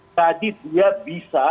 jadi dia bisa